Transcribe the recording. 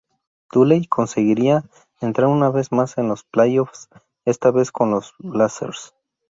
Dudley conseguiría entrar una vez más en los playoffs esta vez con los Blazers.